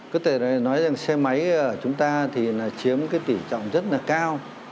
cứ thể nói rằng xe máy chúng ta thì chiếm cái tỉ trọng rất là cao